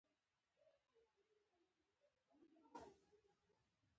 انا له وخت سره زیات څه زده کړي